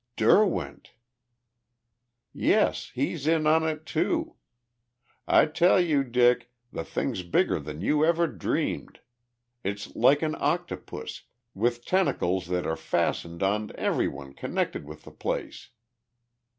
"Derwent!" "Yes, he's in on it, too. I tell you, Dick, the thing's bigger than you ever dreamed. It's like an octopus, with tentacles that are fastened on everyone connected with the place."